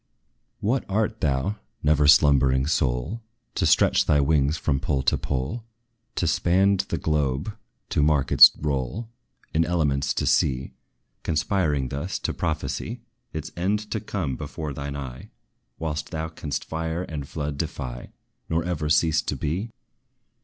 What art thou, never slumbering soul, To stretch thy wings from pole to pole To span the globe to mark its roll Its elements to see, Conspiring thus, to prophesy Its end to come before thine eye, Whilst thou canst fire and flood defy, Nor ever cease to be?